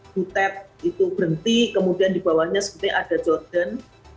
dutep itu berhenti kemudian dibawahnya sebetulnya ada jordan